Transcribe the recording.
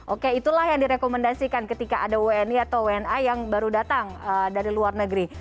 oke itulah yang direkomendasikan ketika ada wni atau wna yang baru datang dari luar negeri